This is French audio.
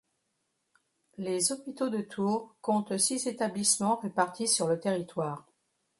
Les Hôpitaux de Tours comptent six établissements répartis sur le territoire.